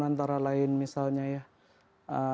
antara lain misalnya ya